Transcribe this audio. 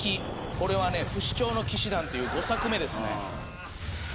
これは不死鳥の騎士団という５作目です。